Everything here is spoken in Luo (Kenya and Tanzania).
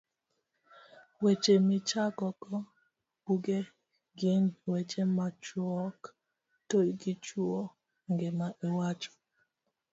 Weche Michakogo Buge gin weche machuok to gichuoyo gima iwacho